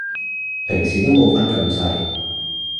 平時都冇分咁細